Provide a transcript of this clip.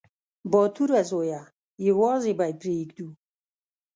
_باتوره زويه! يوازې به يې پرېږدو.